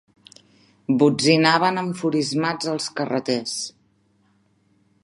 ...botzinaven enfurismats els carreters.